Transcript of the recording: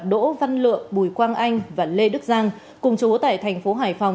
đỗ văn lượng bùi quang anh và lê đức giang cùng chú ở tại tp hải phòng